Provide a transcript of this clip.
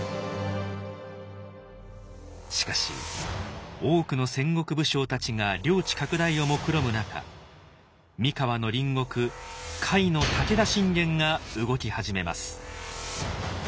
しかし多くの戦国武将たちが領地拡大をもくろむ中三河の隣国甲斐の武田信玄が動き始めます。